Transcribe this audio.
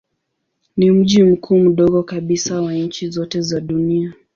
Ni mji mkuu mdogo kabisa wa nchi zote za dunia.